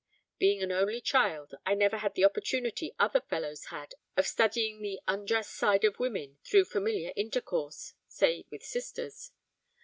Being an only child, I never had the opportunity other fellows had of studying the undress side of women through familiar intercourse, say with sisters.